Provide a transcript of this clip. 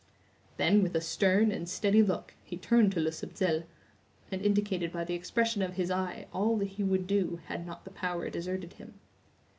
Then, with a stern and steady look, he turned to Le Subtil, and indicated by the expression of his eye all that he would do had not the power deserted him.